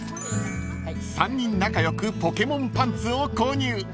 ［３人仲良くポケモンパンツを購入］